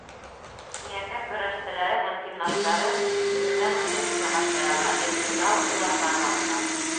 Миәкә көрәшселәре һәм гимнастары бөгөндән үк күнекмә башлай ала, иркен зал — улар ҡарамағында.